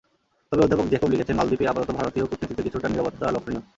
তবে, অধ্যাপক জ্যাকব লিখেছেন, মালদ্বীপে আপাতত ভারতীয় কূটনীতিতে কিছুটা নীরবতা লক্ষণীয়।